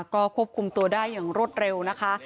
ก็ควบคุมตัวได้อย่างรวดเร็วนะคะ